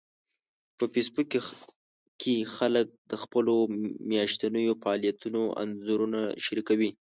په فېسبوک کې خلک د خپلو میاشتنيو فعالیتونو انځورونه شریکوي